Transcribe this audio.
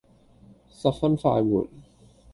十分快活。